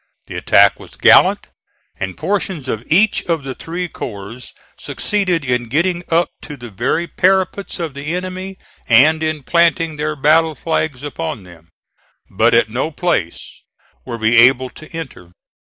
The attack was gallant, and portions of each of the three corps succeeded in getting up to the very parapets of the enemy and in planting their battle flags upon them; but at no place were we able to enter.